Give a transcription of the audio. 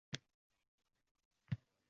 bostirib keladi